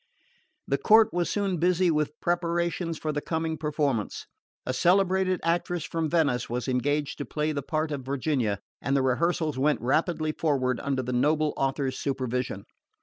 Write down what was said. The court was soon busy with preparations for the coming performance. A celebrated actress from Venice was engaged to play the part of Virginia, and the rehearsals went rapidly forward under the noble author's supervision.